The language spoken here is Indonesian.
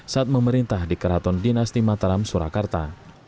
saat memerintah di keraton dinasti mataram surakarta